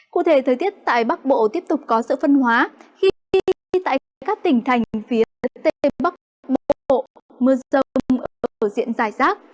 cụ thể thời tiết tại bắc bộ tiếp tục có sự phân hóa khi tại các tỉnh thành phía tây bắc bộ mưa rơm ở diện dài rác